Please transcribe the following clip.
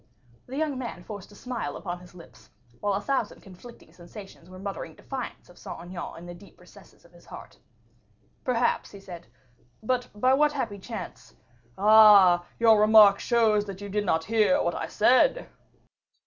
The young man forced a smile upon his lips, while a thousand conflicting sensations were muttering defiance of Saint Aignan in the deep recesses of his heart. "Perhaps," he said. "But by what happy chance " "Ah! your remark shows that you did not hear what I said."